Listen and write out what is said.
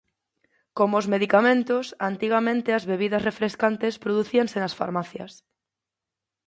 Como os medicamentos, antigamente as bebidas refrescantes producíanse nas farmacias.